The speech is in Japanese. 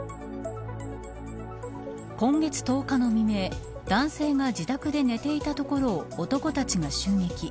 今月１０日の未明男性が自宅で寝ていたところを男たちが襲撃。